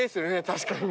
確かに。